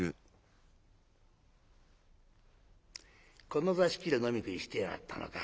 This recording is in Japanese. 「この座敷で飲み食いしてやがったのか。